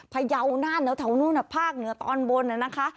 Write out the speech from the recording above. พยาวนานแถวนู้นภาคเหนือตอนบนนะคะ